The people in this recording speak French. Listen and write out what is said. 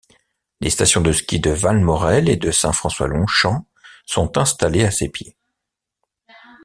Les stations de ski de Valmorel et de Saint-François-Longchamp sont installées à ses pieds.